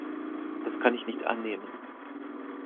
Das kann ich nicht annehmen.